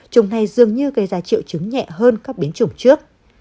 chủng này dường như gây ra triệu chứng nhẹ hơn các biến chủng trước